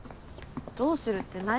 どうするって何？